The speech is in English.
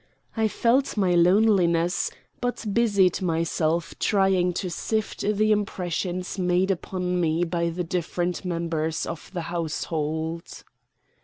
I felt my loneliness, but busied myself trying to sift the impressions made upon me by the different members of the household.